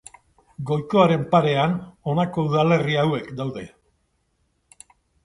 Golkoaren parean, honako udalerri hauek daude.